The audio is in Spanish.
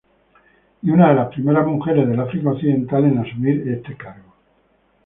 Y una de las primeras mujeres del África Occidental en asumir este cargo.